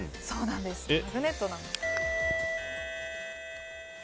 そうなんです。